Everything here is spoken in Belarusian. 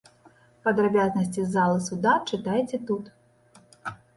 Падрабязнасці з залы суда чытайце тут.